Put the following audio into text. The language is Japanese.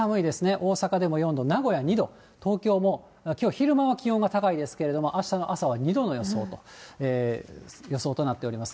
大阪でも４度、名古屋２度、東京もきょう昼間は気温が高いですけれども、あしたの朝は２度の予想と、予想となっております。